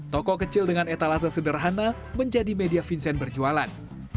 toko kecil dengan etalase sederhana menjadi media vincent berjualan